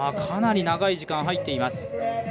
かなり長い時間入ってます。